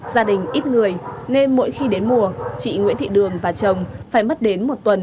gia đình ít người nên mỗi khi đến mùa chị nguyễn thị đường và chồng phải mất đến một tuần